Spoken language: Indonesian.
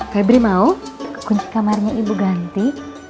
febri mau kunci kamarnya ibu ganti